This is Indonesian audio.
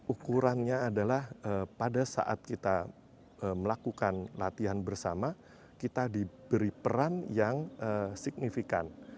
ukurannya adalah pada saat kita melakukan latihan bersama kita diberi peran yang signifikan